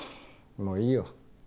もういいよ。